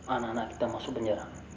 anak anak kita masuk penjara